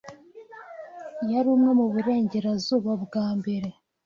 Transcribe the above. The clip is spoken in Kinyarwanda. yari umwe mu burengerazuba bwa mbere